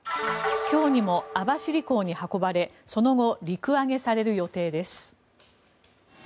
今日にも網走港に運ばれその後、陸揚げされる予定です。